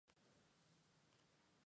La Combe-de-Lancey